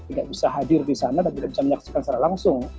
tidak bisa hadir di sana dan tidak bisa menyaksikan secara langsung